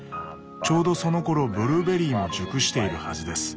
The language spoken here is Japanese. ちょうどそのころブルーベリーも熟しているはずです。